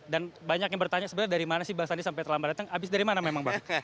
dan banyak yang bertanya sebenarnya dari mana sih bang sandi sampai terlambat datang habis dari mana memang bang